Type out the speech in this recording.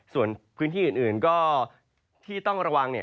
ส่วนพื้นที่อื่นก็ที่ต้องระวังเนี่ย